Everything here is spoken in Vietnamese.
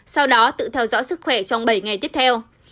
sau đó tự theo dõi sức khỏe trong bảy ngày tiếp theo